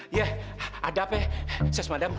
iya ada apa sis madam